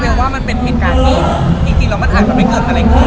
เบลว่ามันเป็นผิดการที่จริงแล้วมันอาจจะไม่เกิดอะไรคือ